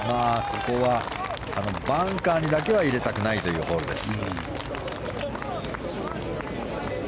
ここはバンカーにだけは入れたくないホールです。